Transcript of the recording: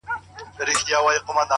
• درواغجن حافظه نلري -